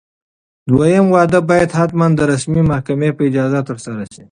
دویم واده باید حتماً د رسمي محکمې په اجازه ترسره شي.